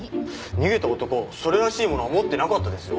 逃げた男それらしいものは持ってなかったですよ。